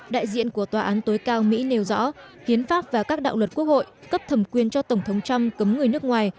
đại diện của tòa án tối cao mỹ nêu rõ hiến pháp và các đạo luật quốc hội cấp thẩm quyền cho tổng thống trump cấm người nước ngoài